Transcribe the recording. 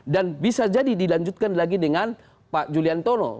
dan bisa jadi dilanjutkan lagi dengan pak julian tono